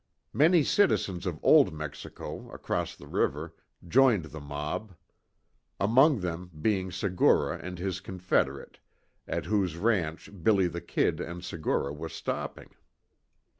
Many citizens of Old Mexico, across the river, joined the mob. Among them being Segura and his confederate, at whose ranch "Billy the Kid" and Segura were stopping.